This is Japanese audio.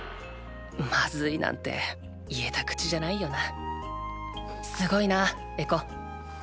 まずいなんて言えた口じゃないよなすごいなエコ。